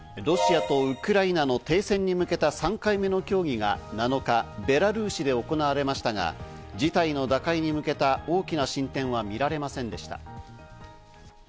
ロシアとウクライナの停戦に向けた３回目の協議が７日、ベラルーシで行われましたが、事態の打開に向けた大きな進展は見られませんでした。